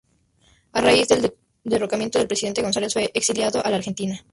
A raíz del derrocamiento del presidente González fue exiliado a la Argentina.